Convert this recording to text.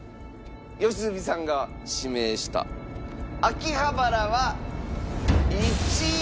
良純さんが指名した秋葉原は１位。